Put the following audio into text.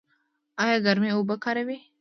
ایا ګرمې اوبه کاروئ؟